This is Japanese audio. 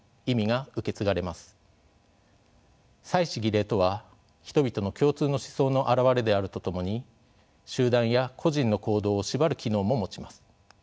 祭祀・儀礼とは人々の共通の思想の表れであるとともに集団や個人の行動を縛る機能も持ちます。